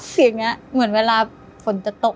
เสียงนี้เหมือนเวลาฝนจะตก